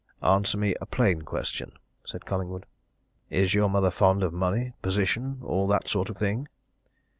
"Answer me a plain question," said Collingwood. "Is your mother fond of money, position all that sort of thing?"